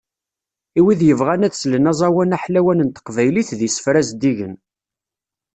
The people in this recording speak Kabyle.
I wid yebɣan ad slen aẓawan aḥlawan n teqbaylit d yisefra zeddigen